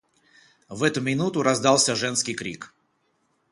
В эту минуту раздался женский крик.